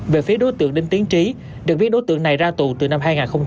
về phía đối tượng đinh tiến trí được biết đối tượng này ra tù từ năm hai nghìn một mươi ba